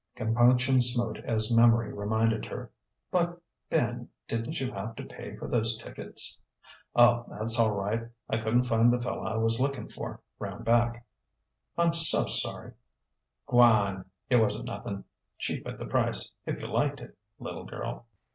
Compunction smote as memory reminded her. "But Ben didn't you have to pay for those tickets?" "Oh, that's all right. I couldn't find the fella I was lookin' for, round back." "I'm so sorry " "Gwan! It wasn't nothin'. Cheap at the price, if you liked it, little girl."